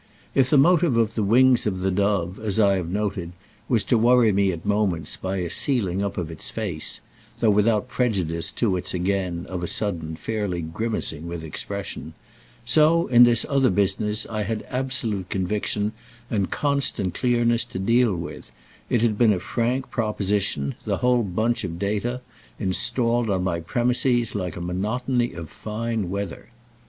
If the motive of "The Wings of the Dove," as I have noted, was to worry me at moments by a sealing up of its face—though without prejudice to its again, of a sudden, fairly grimacing with expression—so in this other business I had absolute conviction and constant clearness to deal with; it had been a frank proposition, the whole bunch of data, installed on my premises like a monotony of fine weather.